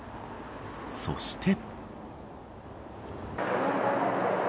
そして。